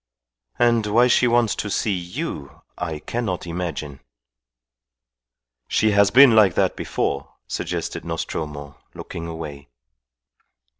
"And why she wants to see you I cannot imagine." "She has been like that before," suggested Nostromo, looking away.